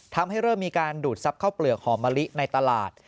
ทำให้เริ่มมีการดูดทรัพย์ข้าวเปลือกหอมมะลิในตลาด